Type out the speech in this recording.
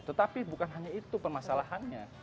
tetapi bukan hanya itu permasalahannya